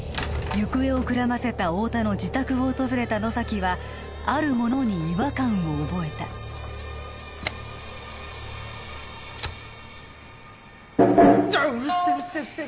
行方をくらませた太田の自宅を訪れた野崎はあるものに違和感を覚えたうるせえうるせえうるせえ